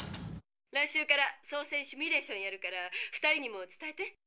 来週から操船シミュレーションやるから２人にも伝えて。